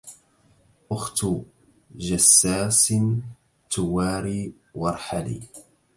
أخت جساسٍ تواري وارحلي